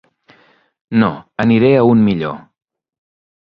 No, aniré a un millor.